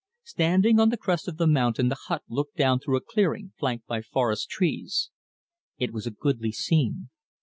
Standing on the crest of the mountain the hut looked down through a clearing, flanked by forest trees. It was a goodly scene.